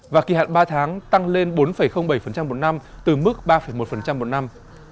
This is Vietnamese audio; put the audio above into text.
và kỳ hạn ba tháng tăng lên bốn bảy một năm từ mức ba một một năm